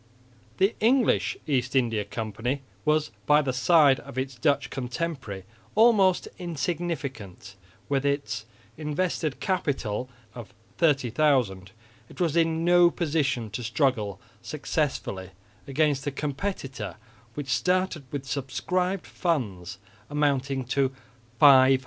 The English East India Company was, by the side of its Dutch contemporary, almost insignificant; with its invested capital of £30,000 it was in no position to struggle successfully against a competitor which started with subscribed funds amounting to £540,000.